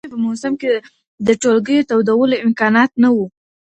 د ژمي په موسم کي د ټولګیو تودولو امکانات نه وو.